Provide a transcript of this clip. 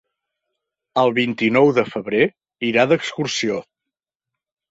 El vint-i-nou de febrer irà d'excursió.